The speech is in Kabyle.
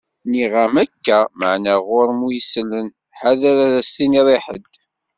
Nniɣ-am akka, maɛna ɣur-m wi isellen. Ḥader ad as-tiniḍ i ḥedd!